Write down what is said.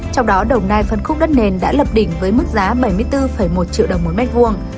trong đó đồng nai phân khúc đất nền đã lập đỉnh với mức giá bảy mươi bốn một triệu đồng mỗi mét vuông